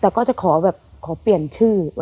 แต่ก็ขอเปลี่ยนชื่อ